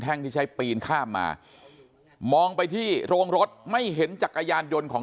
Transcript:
ที่ใช้ปีนข้ามมามองไปที่โรงรถไม่เห็นจักรยานยนต์ของ